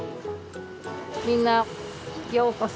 みんなようこそ。